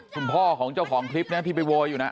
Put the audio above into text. คุณพ่อของเจ้าของคลิปนี้ที่ไปโวยอยู่นะ